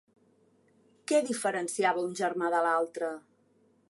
Què diferenciava un germà de l'altre?